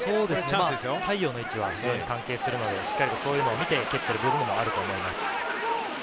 太陽の位置は非常に関係するので、そういうのをみて蹴ってる部分はあると思います。